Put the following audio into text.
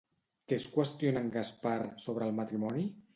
Què es qüestiona en Gaspar sobre el matrimoni?